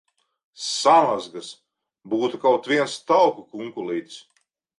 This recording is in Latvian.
Samazgas! Būtu kaut viens tauku kunkulītis!